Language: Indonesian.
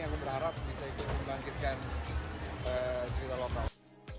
aku berharap bisa ikut membangkitkan cerita lokal